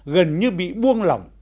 gần như bị buông lỏng